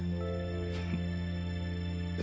フッ。